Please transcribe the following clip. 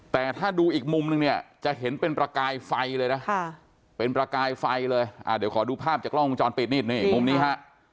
แต่ถ้าดูอีกมุมหนึ่งเนี้ยจะเห็นเป็นประกายไฟเลยนะ